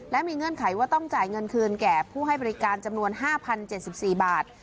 และมีเงื่อนไขว่าต้องจ่ายเงินคืนแก่ผู้ให้บริการจำนวน๕๐๗๔บาท